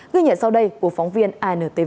ghi nhận sau đây của phóng viên antv